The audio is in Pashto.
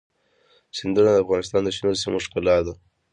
سیندونه د افغانستان د شنو سیمو ښکلا ده.